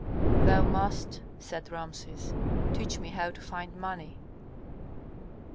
"Thou must," said Rameses, "teach me how to find money." "Ha!"